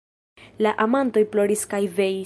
La amantoj ploris kaj veis.